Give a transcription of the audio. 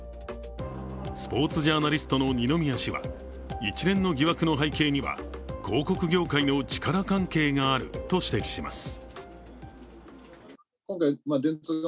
スポーツジャーナリストの二宮氏は、一連の疑惑の背景には広告業界の力関係があると指摘します。